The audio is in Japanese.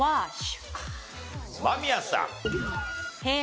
間宮さん。